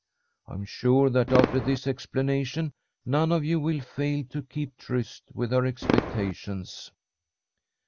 I am sure that after this explanation none of you will fail to keep tryst with her expectations."